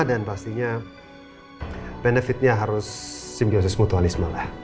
dan pastinya benefitnya harus simbiosis mutualisme